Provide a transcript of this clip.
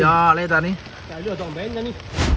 อย่าเล่นตอนนี้